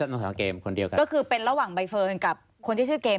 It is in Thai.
ต้องหาเกมคนเดียวกันก็คือเป็นระหว่างใบเฟิร์นกับคนที่ชื่อเกม